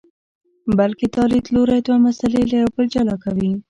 بلکې دا لیدلوری دوه مسئلې له یو بل جلا کوي.